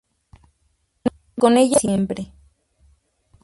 Con ella vivió siempre.